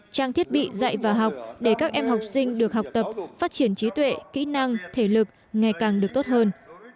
trang thiết bị dạy và học để các em học sinh được học tập phát triển trí tuệ kỹ năng thể lực ngày càng được tốt hơn